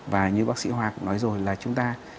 và như bác sĩ hoa cũng nói rồi là chúng ta